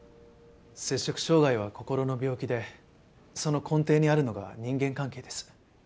摂食障害は心の病気でその根底にあるのが人間関係です。